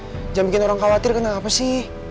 yang bikin orang khawatir kenapa sih